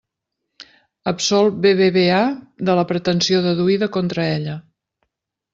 Absolc BBVA de la pretensió deduïda contra ella.